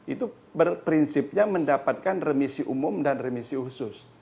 itu berprinsipnya mendapatkan remisi umum dan remisi khusus